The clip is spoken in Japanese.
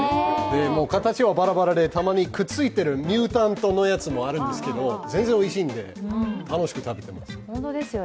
形はバラバラで、たまにくっついてるミュータントのやつもあるんですが全然おいしいんで、楽しく食べてます。